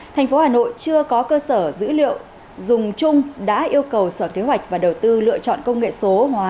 thành phố hà nội chưa có cơ sở dữ liệu dùng chung đã yêu cầu sở kế hoạch và đầu tư lựa chọn công nghệ số hóa